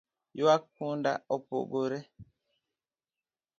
Ywak punda opogore